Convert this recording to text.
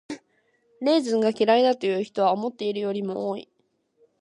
レーズンが嫌いだという人は思っているよりも多い。